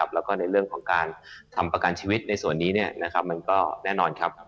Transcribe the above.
แล้วก็ในเรื่องของการทำประกันชีวิตในส่วนนี้มันก็แน่นอนครับ